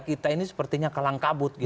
kita ini sepertinya kalang kabut gitu ya